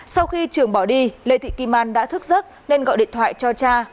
sau khi trường bỏ đi lê thị kim an đã thức giấc nên gọi điện thoại cho cha